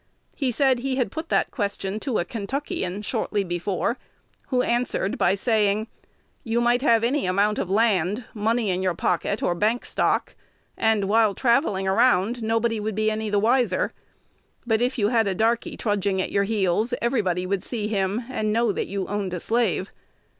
He said he had put that question to a Kentuckian shortly before, who answered by saying, 'You might have any amount of land, money in your pocket, or bank stock, and, while travelling around, nobody would be any wiser; but, if you had a darkey trudging at your heels, everybody would see him, and know that you owned a slave.'